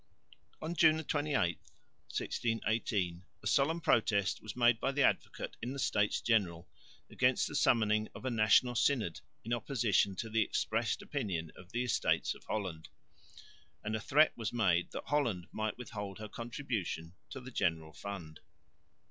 On June 28, 1618, a solemn protest was made by the Advocate in the States General against the summoning of a National Synod in opposition to the expressed opinion of the Estates of Holland; and a threat was made that Holland might withhold her contribution to the general fund.